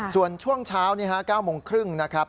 ส่วนช่วงเช้า๙โมงครึ่งนะครับ